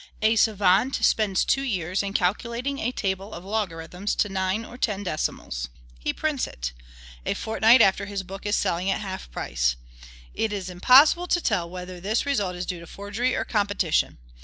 A savant spends two years in calculating a table of logarithms to nine or ten decimals. He prints it. A fortnight after his book is selling at half price; it is impossible to tell whether this result is due to forgery or competition.